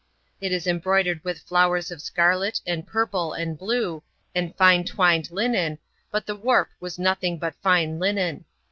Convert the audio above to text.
It is embroidered with flowers of scarlet, and purple, and blue, and fine twined linen, but the warp was nothing but fine linen.